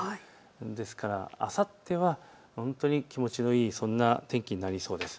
ですからあさっては本当に気持ちのいいそんな天気になりそうです。